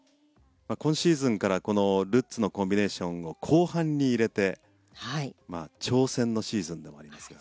今シーズンからこのルッツのコンビネーションを後半に入れて挑戦のシーズンでもありますが。